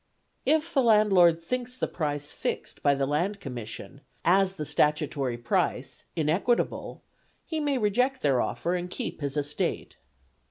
If the landlord thinks the price fixed by the Land Commission, as the statutory price inequitable, he may reject their offer and keep his estate.